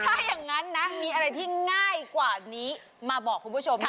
ถ้าอย่างนั้นนะมีอะไรที่ง่ายกว่านี้มาบอกคุณผู้ชมนะ